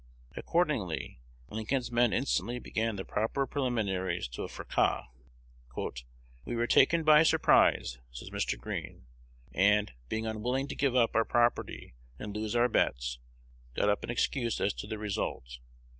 Accordingly, Lincoln's men instantly began the proper preliminaries to a fracas. "We were taken by surprise," says Mr. Green, "and, being unwilling to give up our property and lose our bets, got up an excuse as to the result.